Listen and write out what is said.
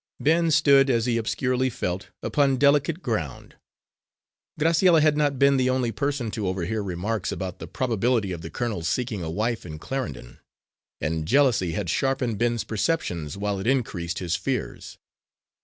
Ben stood, as he obscurely felt, upon delicate ground. Graciella had not been the only person to overhear remarks about the probability of the colonel's seeking a wife in Clarendon, and jealousy had sharpened Ben's perceptions while it increased his fears.